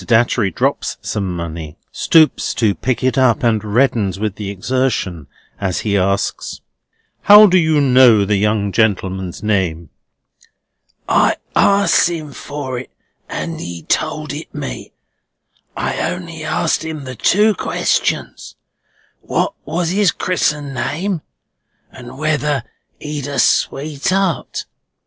Datchery drops some money, stoops to pick it up, and reddens with the exertion as he asks: "How do you know the young gentleman's name?" "I asked him for it, and he told it me. I only asked him the two questions, what was his Chris'en name, and whether he'd a sweetheart?